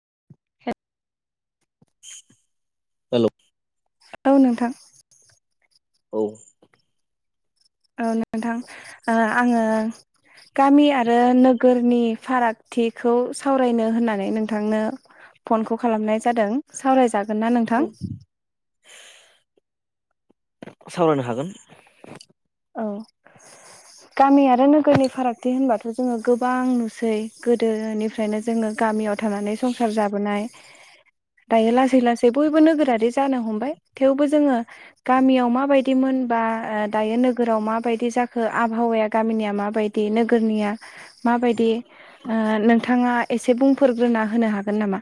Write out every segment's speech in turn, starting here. [inaudible] हेल'? औ नोंथां। औ। औ नोंथां ओ आङो गामि आरो नोगोरनि फारागथिखौ सावरायनो होननानै नोंथांनो फनखौ खालामनाय जादों। सावराय जागोनना नोंथां? औ सावरायनो हागोन। औ। गामि आरो नोगोरनि फारागथि होनबाथ' जोङो गोबां नुसै। गोदोनिफ्रायनो जोङो गामियाव थानानै संसार जाबोनाय। दायो लासै लासै बयबो नोगोरारि जानो हमबाय। थेवबो जोङो गामियाव माबायदिमोन बा दायो नोगोराव माबायदि जाखो आबहावाया गामिनिया माबायदि नोगोरनिया माबायदि ओ नों थाङा एसे बुंफोरग्रोना होनो हागोन नामा?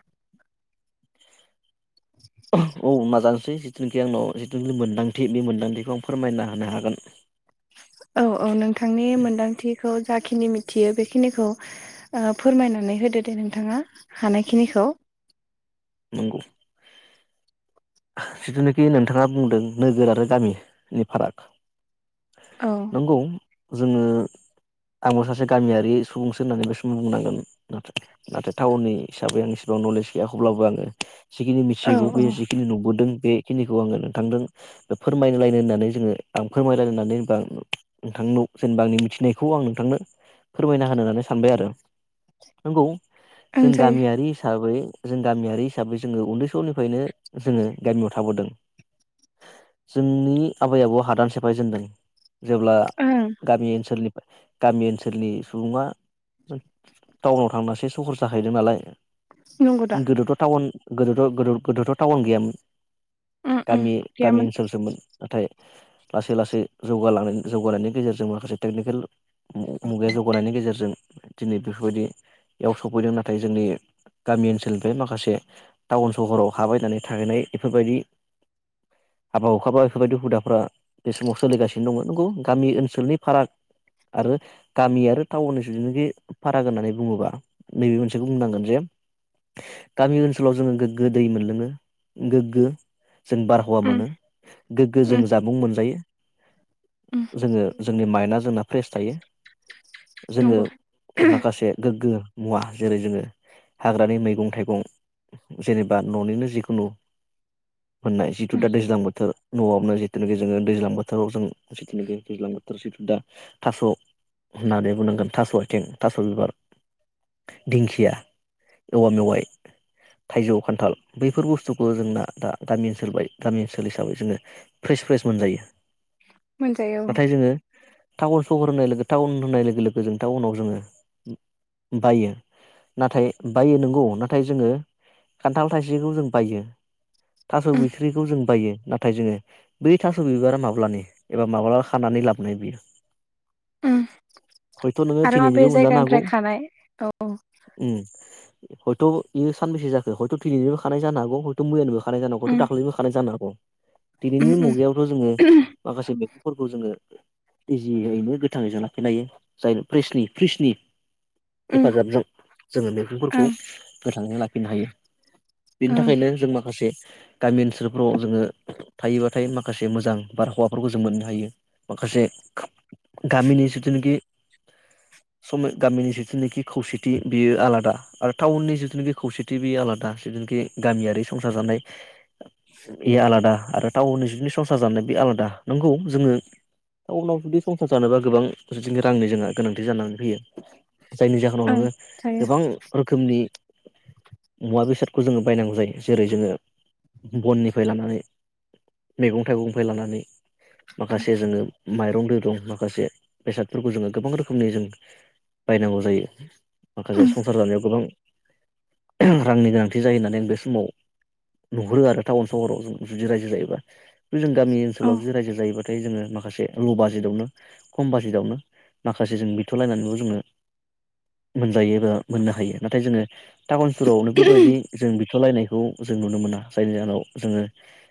औ माजां थि जिथुनाखि आंनाव जिथुनाखि मोन्दांथि बे मोनदांथिखौ आं फोरमायना होनो हागोन। औ औ नोंथांनि मोनदांथि खौ जाखिनि मिथियो बेखिनिखौ ओ फोरमायनानै होदो दे नोंथाङा हानायखिनिखौ। [inaudible] नंगौ। जिथुनाखि नोंथाङा बुंदों नोगोर आरो गामिनि फाराग। औ नंगौ। जोङो आंबो सासे गामियारि सुबुंसो होननानै बे समाव बुंनांगोन। नाथाय नाथाय टाउननि हिसाबै आं इसेबां नलेज गैया हब्लाबो आङो जिखिनि औ मिथिगौ बे औ जिखिनि नुबोदों बे खिनिखौ आङो नोंथांदों फोरमायलायनो होननानै जोङो आं फोरमायलायनानै होननानै बा नोंथांन' जेनेबा आंनि मिथिनायखौ आं नोंथांनो फोरमायना होनो होननानै सानबाय आरो। नंगौ। ओं जों जायो गामियारि हिसाबै जों गामियारि हिसाबै जोङो उन्दै समनिफायनो जोङो गामियाव थाबोदों। जोंनि आबै आबौ हादान सेफायजेनदों। जेब्ला ओं गामि ओनसोलनि गामि ओनसोलनि सुबुङा टाउनाव थांनासो सहर जाहैदों नालाय। नंग' दा। उन गोदोथ' गोदो-गोदोथ' टाउन गैयामोन। उम उम गामि गामि गैयामोन ओनसोलसोमोन। नाथाय [inaudible] लासै लासै जौगालांनाय जौगानायनि गेजेरजों माखासे टेकनिकेल मु-मुगाया जौगानायनि गेजेरजों दिनै बेफोरबायदियाव सफैदों नाथाय जोंनि गामि ओनसोलनिफ्राय मा खासे टाउन सहराव हा बायनानै थाहैनाय एफोरबायदि [unintelligible] हाबा हुखाबा बेफोरबायदि हुदाफोरा बे समाव सोलिगासिनो दंमोन। नंगौ गामि ओनसोलनि फाराग आरो गामि आरो टाउननि जुथुनाखि फाराग होननानै बुङोबा नैबे मोनसेखौ बुंनांगोन जे [unintelligible] गामि ओनसोलाव जोङो गोग्गो दै मोनलोङो, गोग्गो। जों बारहावा उम मोनो गोग्गो उम जों जामुं मोनजायो। उम जोङो जोंनि माइन्डआ जोंना फ्रेस थायो। जोङो नंगौ माखासे गोग्गो मुवा जेरै जोङो हाग्रानि मैगं थाइगं जेनेबा न'निनो जिखुनु मोननाय जिथु उम दा दैज्लां बोथोर न'आवनो जिथुनाखि जोङो दैज्लां बोथोराव जों जिथुनाखि दैज्लां बोथोर जिथु दा थास' होननानै बुंनांगोन थास' आथिं थास' बिबार दिंखिया औवा मेवाइ [inaudible] थाइजौ खान्थाल बैफोर बुस्थुखौ जोंना दा गामि ओनसोल बाय गामि ओनसोल हिसाबै जोङो फ्रेस फ्रेस मोनजायो। मोनजायो औ। नाथाय जोङो टाउन सहर होननाय लोगो टाउन होननाय लोगो-लोगो जों टाउनाव जोङो बायो नाथाय बायो नंगौ ना नाथाय जोङो खान्थाल थाइसेखौ जों बायो थास' उम बिथख्रिखौ जों बायो नाथाय जोङो बै थास' बिबारा माब्लानि एबा माब्ला खानानै लाबोनाय बियो ओम हयथ' नोङो आरो दिनैनिबो माबे मोनजानो हागौ जायगानिफ्राय खानाय औ। औ बेयो सानबसे जाखो हयथ' दिनिबो खानाय जानो हाग हयथ' मोयनिबो खानाय जान हौ हयथ' उम दाखालिबो खानाय जानो हागौ। उम दिनैनि उम मुगायावथ' जोङो माखासे बे फोरखौ जोङो इजियैनो गोथाङै जा लाखिनो हायो जायनो फ्रिसनि-फ्रिसनि उम हेफाजाबजों जोङो मैगंफोरखौ ओं गोथाङैनो लाखिनो हायो बिनि ओं थाखायनो जों माखासे गामि ओनसोलफ्राव जोङो थायोबाथाय माखासे मोजां बारहावाफोरखौ जों मोननो हायो। माखासे गामिनि जिथुनिखि सम गामिनि जिथुनाखि खौसेथि बेयो आलादा आरो टाउननि जिथु जिथुनिखि खौसेथि बे आलादा जिथुनाखि गामियारि संसार जानाय बे आलादा आरो टाउननि बिसोरनि संसार जानायनि आलादा नंगौ जोङो टाउनाव जुदि संसार जानोबा गोबां जोंनो रांनि जोंहा गोनांथि जानानै फैयो। जायनि जाहोनाव ओं नोङो थायो गोबां रोखोमनि मुवा बेसादखौ जोङो बायनांगौ जायो। जेरै जोङो बननिफ्राय लानानै मैगं थाइगंनिफ्राय लानानै माखासे जोङो माइरं दैरं माखासे बेसादफोरखौ जोङो गोबां रोखोमनि जों बायनांगौ जायो। माखासे उम संसार जानायाव गोबां रांनि गोनांथि जायो होननानै आं बे समाव नुहुरो आरो टाउन सहराव जों जुदि रायजो जायोबा बे जों गामि औ ओनसोलाव जुदि रायजो जायोबा फ्राय जोङो माखासे ल' बाजेटआवनो खम बाजेटावनो माखासे जों बिथ'लायनानैबो जोङो मोनजायो एबा मोननो हायो। नाथाय जोङो टाउन सहुरावनो बेफोरबायदि जों बिथ'लायनाय खौ जों नुनो मोना जायनि जाहोनाव जोङो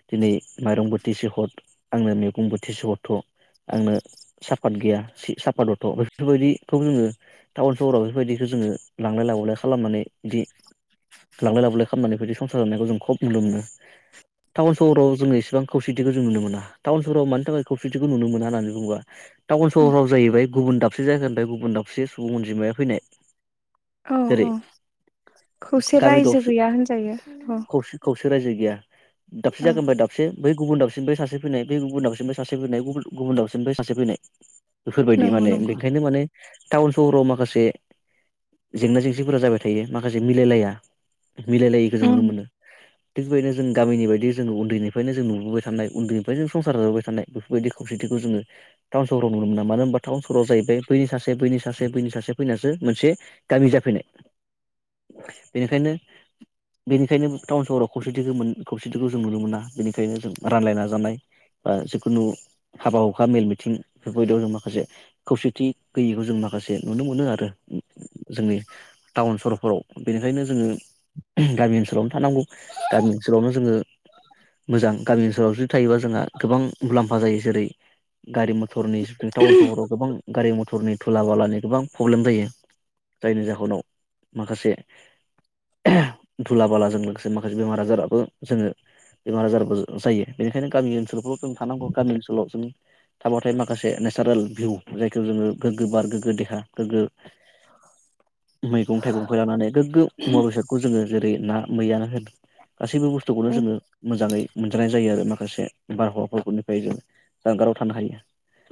दिनै माइरं बोथिसे हर आंनो मैगं बोथिसे हरथ' आंनो सापाट गैया सापात हरथ' बेफोरबायदिखौ जोङो टाउन सहराव बेफोरबायदिखौ जोङो लांलाय लाबोलाय खालामनानै बिदि लांलाय लाबोलाय खालामनानै बायदि संसार जानायखौ जों खम नुनो मोनो। टाउन सहराव जोङो इसेबां खौसेथिखौ जों नुनो मोना टाउन सहराव मानि थाखाय खौसेथिखौ नुनो मोना होननानै बुङोबा। टाउन सहराव जाहैबाय गुबुन दाबसे जायगानिफ्राय गुबुन दाबसे सुबुं अनजिमाया फैनाय। औ। जेरै औ खौसे गामि रायजो दरसे गैया होनजायो औ खौसे खौसे रायजो गैया। दाबसे औ जायगानिफ्राय दाबसे बै गुबुन दाबसेनिफ्राय सासे फैनाय बै गुबुन दाबसेनिफ्राय सासे फैनाय बै गुबुन दाबसेनिफ्राय सासे फैनाय। बेफोरबायदि नंगौ माने नंगौ बेनिखायनो माने टाउन सहराव माखासे जेंना जेंसि फोरा जाबाय थायो माखासे मिलायलाया मिलायलायिखौ जों उम नुनो मोनो। थिग बेबायदिनो जों गामिनि बायदि जों उन्दैनिफ्रायनो जों नुबोबाय थानाय उन्दैनिफ्राय जों संसार जाबोबाय थानाय बेफोरबायदिखौ बिदिखौ जोङो टाउन सहराव नुनो मोना मानो होनबा टाउन सहराव जाहैबाय बैनि सासे बैनि सासे बैनि सासे फैनासो मोनसे गामि जाफैनाय। [inaudible] बेनिखायनो बेनिखायनो टाउन सहराव खौसेथिखौ खौसेथिखौ जों नुनो मोना बेनिखायनो जों रानलायना जानाय बा जिखुनु हाबा हुखा मेल मिथिं बेफोरबायदियाव जों माखासे खौसेथि गैयिखौ जों माखासे नुनो मोनो आरो जोंनि टाउन सहरफोराव बेनिखायनो जोङो गामि ओनसोलावनो थानांगौ गामि ओनसोलावनो जोङो। मोजां गामि ओनसोलाव जुदि थायोबा जोंहा गोबां मुलाम्फा जायो जेरै गारि मथर महरनि टाउन सहराव गोबां गारि मटरनि धुला बालानि गोबां प्रब्लेम जायो। जायनि जाहोनाव माखासे धुला बालाजों लोगोसे माखासे बेमार आजाराबो जोङो बेमार आजारबो जायो। बेनिखायनो गामि ओनसोलफ्राव' जों थानांगौ गामि ओनसोलाव जों थाबाथाय माखासे नेचारेल भिउ जायखौ जोङो गोगो बार गोगो देहा गोगो मैगं थाइगंखौ लानानै गोगो मुवा बेसादखौ जोङो जेरै ना मैयानो होन गासैबो बुस्थुखौनो उम जोङो मोजाङै मोनजानाय जायो। आरो माखासे बारहावानिफ्राय जों जानगाराव थानो हायो।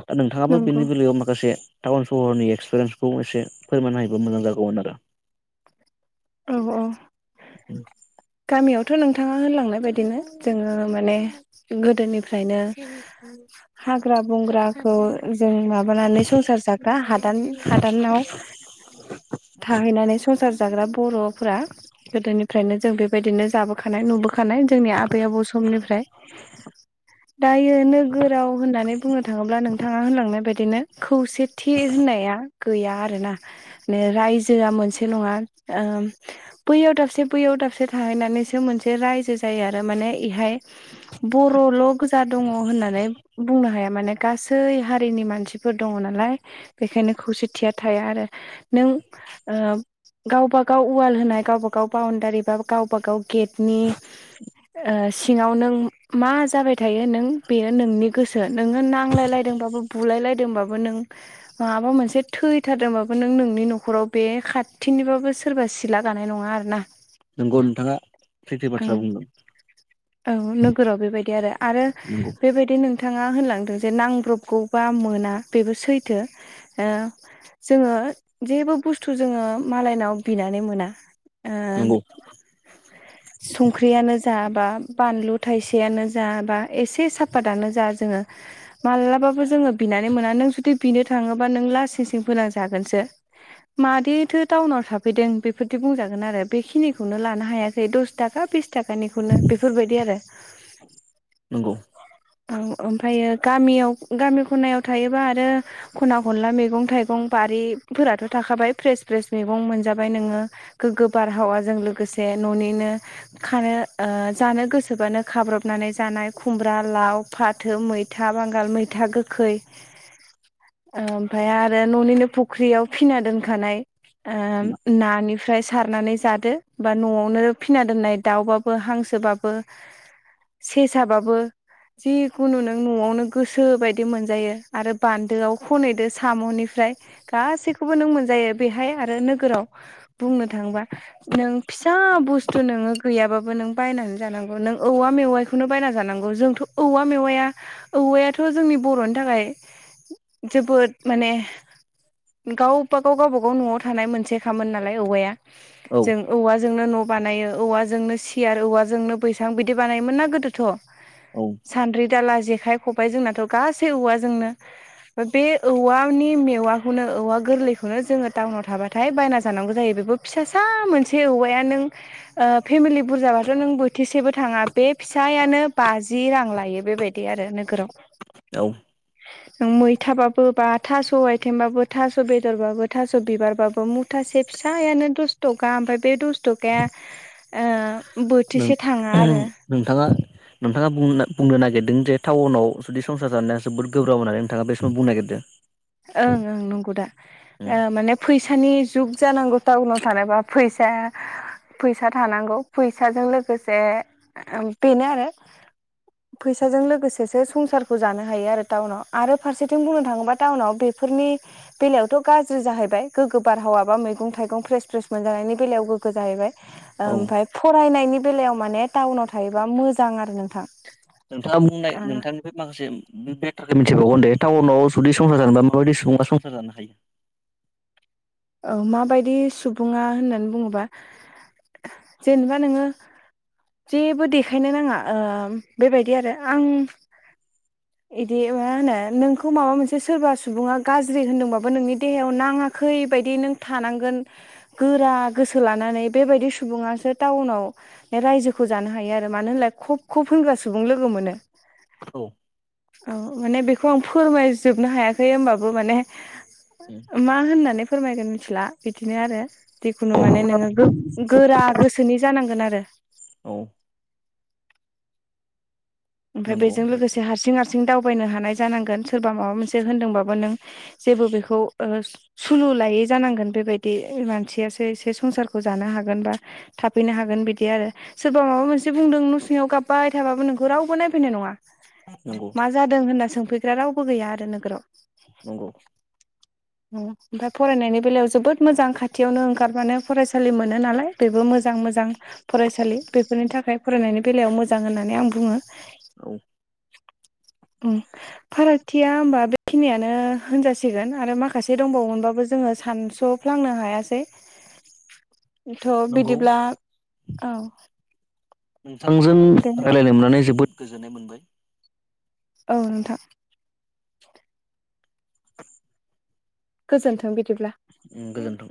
दा नोंथाङाबो नंगौ बेनि बेलायाव माखासे टाउन सहरनि एक्सपिरियेन्सखौ एसे फोरमायनो हायोब्ला मोजां जागौमोन आरो। औ औ। गामियावथ' नोंथाङा होनलांनाय बायदिनो जोङो माने गोदोनिफ्रायनो। हाग्रा बंग्राखौ जों माब संसार जाग्रा हादा हादानाव थाहैनानै संसार जाग बर'फोरा गोदोनिफ्रायनो जों बेबायदिनो जाबोखानाय नुबोख खानाय जोंनि आबै आबौ समनिफ्राय दायो नोगोराव होननानै बुंनो थाङोब्ला नोंथाङा होनलांनाय बायदि बिदिनो खौसेथि होननाया गैया आरोना मे रायजोआ मोनसे नङा ओ बैयाव दाबसे बैयाव दाबसे थाहैनानैसो मोनसे रायजो जायो आरो माने इहाय बर'ल' गोजा दङ होननानै बुंनो हाया माने गासै हारिनि मानसि दङ नालाय बेनिखायनो खौसेथिया थाया आरो नों ओ गावबा गाव उवाल होनाय गावबा गाव बाउणडारि बा गावबा गाव गेटनि ओ सिङाव नों मा जाबाय थायो नों बेयो नोंनि गोसो नोङो नांलायलायदोंबाबो बुलाय बो नों मा मोनसे थैथारदोंबो नों नोंनि न'खाव बे खा थिंनिबाबो सोरबा सिला गानाय नङा आरो ना नोंगौ नोंथाङा सैथि बाथ्रा बुंदों औ नोगोराव बेबायदि आरो आरो नंगौ बेबायदि नों नोंथाङा होनलांदों जे नांब्रबगौबा मोना बेबो सैथो जोङो जेबो बुस्थु जोङो मालायनाव बिनानै मोना ओ नंगौ संख्रियानो जा बा बानलु थाइसेयनो जा बा एसे साफातनो जा जोङो मालाबाबो जोङो बिनानै मोना नों जुदि नों बिनो थांङाब्ला लासिंसिं फोनांजागोन मानोथ एटथ टाउनाव थाफैदों बेफोरदि बुंजागोन आरो बेखिनिखौनो लानो हायाखै दस थाखा बेसा थाखानिखौनो बेफोरबायदि आरो नंगौ औ ओमफ्रायो गामियाव गामि खनायाव थायोबा आरो खना खनला मैगं थाइगं बा फोराथ' थाखाबाय फ्र फ्रेस मैगं मोनजाबाय नोङो गोग्गो बारहावाजों लोगोसे न'निनो खानो जानो गोसोबानो खाब्रबनानै जानाय खुमब्रा लाव फाथो मैथा बांगाल मैथा गोखै ओमफफ्राय आरो न'निनो फुख्रियाव फिना दोनखानाय ओम नानिफ्राय सारनानै जादो बा न'आवनो फिना दोननाय दाउबाबो, हांसोबाबो, सेसाबाबो जिखुनु नों न'आवनो गोसो बायदि मोनजायो। आरो बान्दोआव ख'नैदो साम'नि- फ्राय गासैखौबो नों मोनजायो। बेहाय आरो नोगोराव बुंनो थाङोबा नों फिसा बुस्थु नोङो गैयाबाबो नों बायनानै जानांगौ, नों औवा मेवायखौनो बायना जानांगौ। जोंथ' औवा मेवाया औवायाथ' जोंनि बर'नि थाखाय जोबोद माने गावबा-गाव, गावबा-गाव न'आव थानाय मोनसे खामोन नालाय औवाया। औ जों औवाजोंनो न'- बानायो औवाजोंनो सियार, औवाजोंनो बैसां बिदि बानायोमोन ना गोदोथ'। औ सान्द्रि, दाला, जे- खाइ, खबाय, जोंनाथ' गासै औवा जोंनो। बे औवानि मेवाखौनो औवा गोर- लैखौनो जोङो टाउनाव थाबाथाय बायना जानांगौ जायो, बेबो फिसासा मोनसे औवाया नों ओ फेमिलि बुरजा था- बाथ' नों बोथिसेबो थाङा बे फिसायानो बाजि रां लायो बेबायदि आरो नोगोराव। औ। नों मैथाबाबो, बा थास' आइथेंबाबो, थास' बेदरबाबो, थास' बिबारबाबो मुथासे फिसायानो दसत'का ओमफ्राय बे दसत'काया नों एहम नोंथाङा नोंथाङा बुंनो बुंनो नागिरदों जे टाउनाव जुदि संसार जानाया जोबोद गोब्राब होननानै नोंथाङा बे समाव बुंनो नागिरदो। ओं ओं नंगौ दा, ओ माने फैसानि जुग जानांगौ टाउनाव थानोबा फैसा- फैसा थानांगौ फैसाजों लोगोसे ओ बेनो आरो। फैसाजों लोगोसेसो संसारखौ जानो हायो आरो टाउनाव आरो फारसेथिं बुंनो थाङोबा टाउनाव बेफोरनि बेलायावथ' गाज्रि जाहैबाय, गोगो बारहावा बा मैगं थाइगं फ्रेस फ्रेस मोनजानाय- नि बेलायाव गोगगो जाहैबाय। औ ओमफ्राय फरायनायनि बेलायाव माने टाउनाव थायोबा मोजां आरो नोंथां। नोंथाङा बुंनाय औ नोंथांनिफ्राय माखासे मेटार मिथिबावगोन दे टाउनाव जुदि संसार जानोबा माबायदि सुबुङा संसार जानो हायो? औ, माबायदि सुबुङा होननानै बुङोबा जेनेबा नोङो जेबो देखायनो नाङा ओम बेबायदि आरो आं बिदि मा होनो नोंखौ माबा मोनसे सोरबा सुबुङा गाज्रि होनदोंबाबो नोंनि देहायाव नाङाखै बायदि नों थानांगोन गोरा गोसो लानानै बेबायदि सुबुङासो टाउनाव रायजोखौ जानो हायो आरो। मानो होनलाय खब खब होनग्रा सुबुं लोगो मोनो। औ माने बेखौ आं फोरमायजोबनो हायाखै होमबाबो माने मा होननानै फोरमायगोन मिथिला बिदिनो आरो, जिखुनु माने औ नोङो गो-गोरा गोसोनि जानांगोन आरो। औ। ओमफ्राय नंगौ बेजों लोगोसे हारसिं हार- सिं दावबायनो हानाय जानांगोन, सोरबा माबा मोनसे होनदोंबाबो नों जेबो बेखौ ओ सुलु लायै जानांगोन बेबायदि मानसियासो एसे संसारखौ जानो हागोन बा थाफैनो हागोन बिदि आरो, सोरबा माबा मोनसे बुंदों न' सिङाव गाबबाय थाबाबो नोंखौ रावबो नायफैनाय नङा नंगौ मा जादों होनना सोंफैग्रा रावबो गैया आरो नोगोराव। नंगौ। उम ओमफ्राय फरायनायनि बेलायाव जोबोत मोजां खाथियावनो ओंखारो मोजां मोजां फरायसालि बेफोरनि थाखाय फरायनायनि बेलायाव मोजां होननानै आं बुङो। औ। ओं, फारागथिया होमबा बेखिनियानो होनजासिगोन आरो माखासे दंबावोमोनबाबो जों- जोङो सानस'फ्लांनो हायासै। थ' नंगौ बिदिब्ला औ नोंथांजों दे रायलायनो मोननानै जोबोद गोजोननाय मोनबाय। औ नोंथां। गोजोन्थों बिदिब्ला। उम गोजोन्थों।